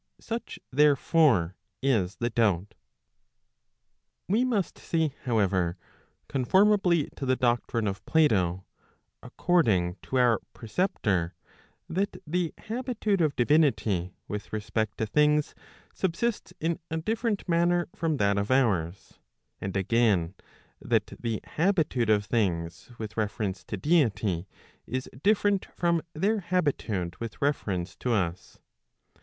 Such therefore is the doubt. We must say however, conformably to the doctrine of Plato according to our preceptor, that the habitude of divinity with respect to things subsists in a different manner from that of ours. And again, that the habitude of things with reference to deity is different from their habitude with reference to us.